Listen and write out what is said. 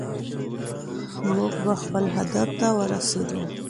موږ خپل هدف ته ورسېدو.